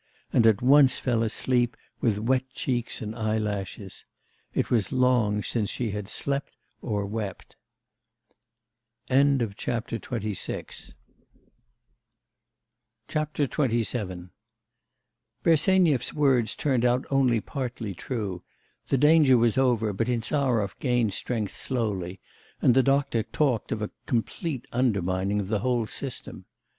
and at once fell asleep with wet cheeks and eyelashes. It was long since she had slept or wept. XXVII Bersenyev's words turned out only partly true; the danger was over, but Insarov gained strength slowly, and the doctor talked of a complete undermining of the whole system.